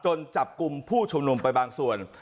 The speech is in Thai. จับกลุ่มผู้ชุมนุมไปบางส่วน